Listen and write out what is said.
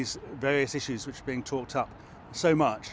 semua masalah yang dikaitkan